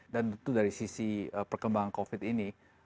dan tentu dari sisi perkembangan covid ini